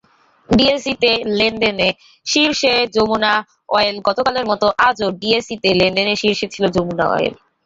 ডিএসইতে লেনদেনে শীর্ষে যমুনা অয়েলগতকালের মতো আজও ডিএসইতে লেনদেনে শীর্ষে ছিল যমুনা অয়েল।